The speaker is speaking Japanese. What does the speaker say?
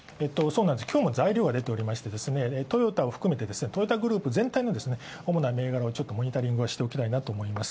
今日も材料が出ておりましてトヨタを含めてトヨタグループ全体のおもな銘柄をちょっとモニタリングをしておきたいです。